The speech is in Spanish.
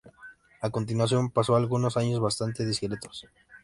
A continuación pasó algunos años bastante discretos.